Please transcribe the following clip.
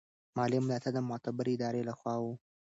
مالي ملاتړ د معتبرې ادارې له خوا و.